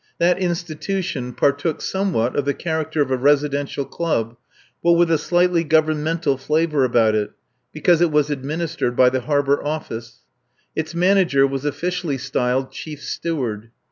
That institution partook somewhat of the character of a residential club, but with a slightly Governmental flavour about it, because it was administered by the Harbour Office. Its manager was officially styled Chief Steward.